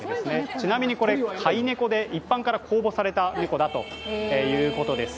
ちなみにこれ、飼い猫で一般から公募された猫だということです。